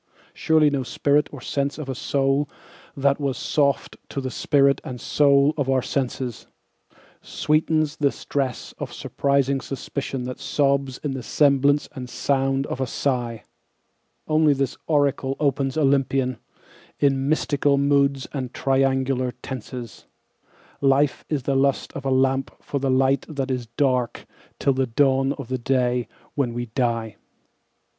Surely no spirit or sense of a soul that was soft to the spirit and soul of our senses Sweetens the stress of suspiring suspicion that sobs in the semblance and sound of a sigh; Only this oracle opens Olympian, in mystical moods and triangular tenses "Life is the lust of a lamp for the light that is dark till the dawn of the day when we die."